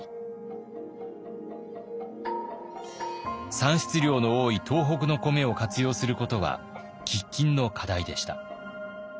産出量の多い東北の米を活用することは喫緊の課題でした。